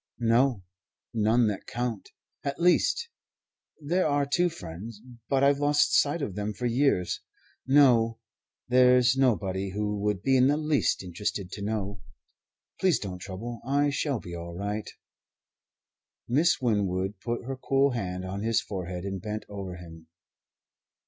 "No. None that count. At least there are two friends, but I've lost sight of them for years. No there's nobody who would be in the least interested to know. Please don't trouble. I shall be all right." Miss Winwood put her cool hand on his forehead and bent over him.